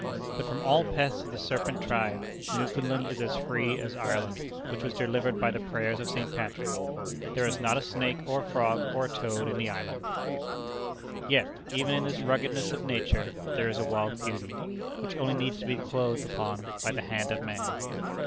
But from all pests of the serpent tribe, Newfoundland is as free as Ireland, which was delivered by the prayers of St. Patrick. There is not a snake or a frog or a toad in the island! Yet, even in this ruggedness of nature, there is a wild beauty, which only needs to be "clothed upon" by the hand of man.